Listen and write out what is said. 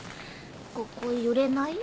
ここ揺れない？